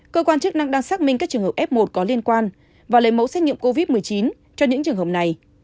cơ quan chức năng đang xác minh các trường hợp f một có liên quan và lấy mẫu xét nghiệm covid một mươi chín cho những trường hợp này